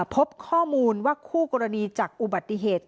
พบข้อมูลว่าคู่กรณีจากอุบัติเหตุ